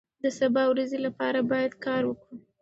د سبا ورځې لپاره باید کار وکړو.